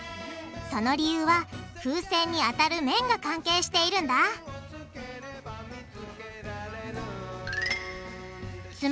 その理由は風船に当たる面が関係しているんだつ